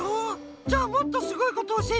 ⁉じゃあもっとすごいことおしえてあげる。